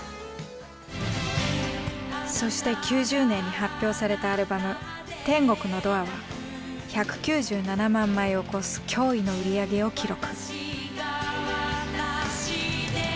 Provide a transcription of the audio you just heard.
そして９０年に発表されたアルバム「天国のドア」は１９７万枚を越す驚異の売り上げを記録。